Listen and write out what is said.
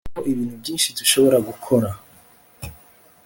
hariho ibintu byinshi dushobora gukora